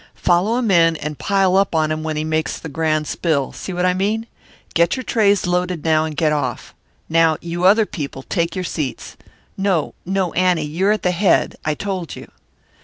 "Follow him in and pile up on him when he makes the grand spill see what I mean? Get your trays loaded now and get off. Now you other people, take your seats. No, no, Annie, you're at the head, I told you.